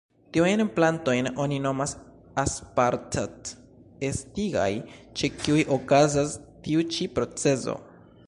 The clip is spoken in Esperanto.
Tiujn plantojn oni nomas aspartat-estigaj, ĉe kiuj okazas tiu ĉi proceso.